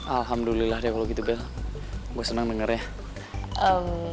alhamdulillah deh kalau gitu bel gue senang dengarnya